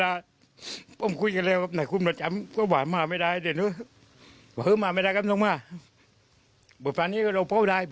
อาจจะเขียนตรงนี่ว่า